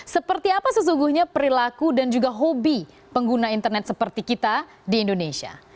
seperti apa sesungguhnya perilaku dan juga hobi pengguna internet seperti kita di indonesia